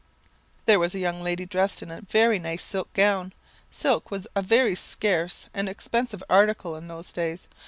"There was a young lady dressed in a very nice silk gown. Silk was a very scarce and expensive article in those days.